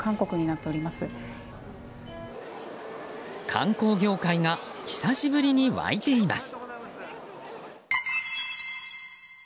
観光業界が久しぶりに沸いています。